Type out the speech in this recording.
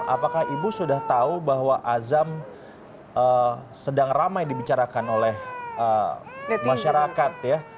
apakah ibu sudah tahu bahwa azam sedang ramai dibicarakan oleh masyarakat ya